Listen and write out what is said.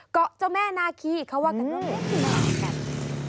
เกาะเจ้าแม่นาคีเขาว่ากันว่าเกาะเจ้าแม่นาคี